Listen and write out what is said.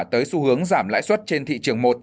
tới xu hướng giảm lãi suất trên thị trường một